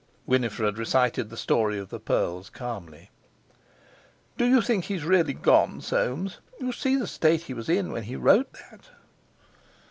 Winifred recited the story of the pearls calmly. "Do you think he's really gone, Soames? You see the state he was in when he wrote that."